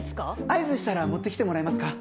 合図したら持ってきてもらえますか？